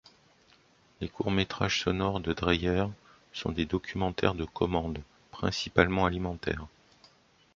Les courts-métrages sonores de Dreyer sont des documentaires de commande, principalement alimentaires.